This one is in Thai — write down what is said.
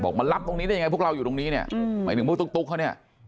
มารับตรงนี้ได้ยังไงพวกเราอยู่ตรงนี้เนี่ยหมายถึงพวกตุ๊กเขาเนี่ย